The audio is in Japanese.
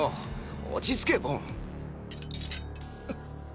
落ち着けボン！っ！！